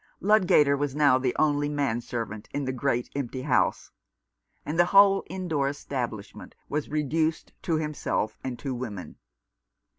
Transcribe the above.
Ludgater was now the only man servant in the great empty house, and the whole indoor establishment was reduced to himself and two women.